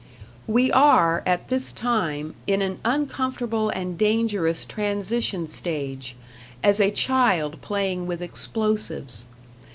We are, at this time, in an uncomfortable and dangerous transition stage, as a child playing with explosives.